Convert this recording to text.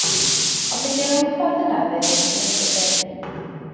Os ei di rownd y ffordd yna fe ddei di at y gerddi.